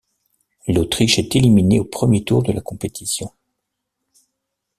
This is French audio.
L'Autriche est éliminée au premier tour de la compétition.